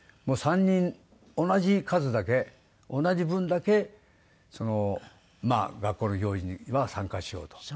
３人同じ数だけ同じ分だけ学校の行事には参加しようと。